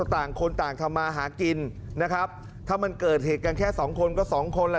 ต่างคนต่างทำมาหากินนะครับถ้ามันเกิดเหตุกันแค่สองคนก็สองคนล่ะ